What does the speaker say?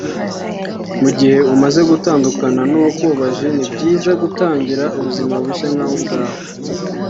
Mu gihe umaze gutandukana n’uwakubabaje ni byiza gutangira ubuzima bushya nkawe ubwawe